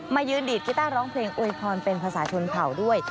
ยืนดีดกีต้าร้องเพลงโอยพรเป็นภาษาชนเผ่าด้วย